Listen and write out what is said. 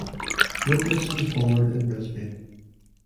Lucas was born in Brisbane.